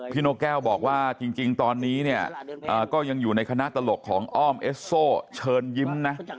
นกแก้วบอกว่าจริงตอนนี้เนี่ยก็ยังอยู่ในคณะตลกของอ้อมเอสโซเชิญยิ้มนะ